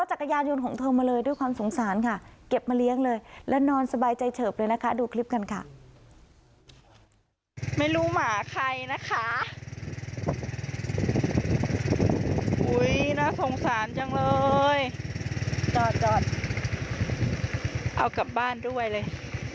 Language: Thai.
อุ้ยน่าสงสารจังเลยจอดจอดเอากลับบ้านด้วยเลย